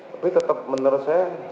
tapi tetap menurut saya